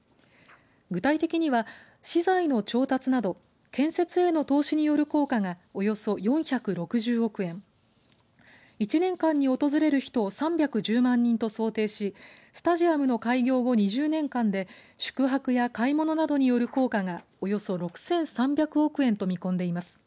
具体的には資材の調達など建設への投資による効果がおよそ４６０億円１年間に訪れる人を３１０万人と想定しスタジアムの開業後２０年間で宿泊や買い物などによる効果がおよそ６３００億円と見込んでいます。